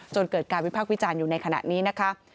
เกิดการวิพากษ์วิจารณ์อยู่ในขณะนี้นะคะ